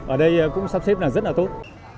ở đây cũng sắp xếp rất là tốt